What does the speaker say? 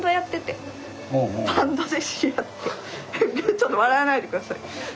ちょっと笑わないで下さい。